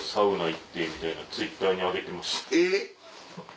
えっ！